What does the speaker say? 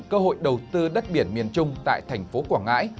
cơ hội đầu tư đất biển miền trung tại thành phố quảng ngãi